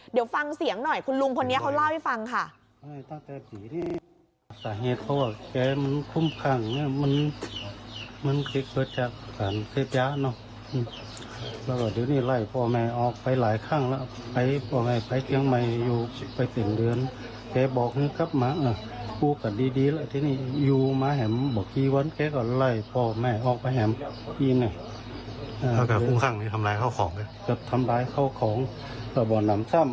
เดี๋ยวฟังเสียงหน่อยคุณลุงคนนี้เขาเล่าให้ฟังค่ะ